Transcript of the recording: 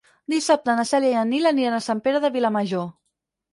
Dissabte na Cèlia i en Nil aniran a Sant Pere de Vilamajor.